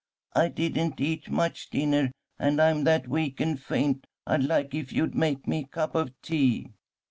"I didn't eat much dinner, and I'm that weak and faint I'd like if you'd make me a cup of tea."